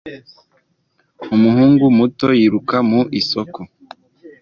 Umuhungu muto yiruka mu isoko